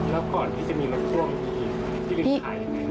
แล้วก่อนที่จะมีรักช่วงที่หลีดขายอย่างไร